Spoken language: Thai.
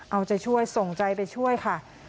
เอาใจช่วยส่งใจไปช่วยค่ะ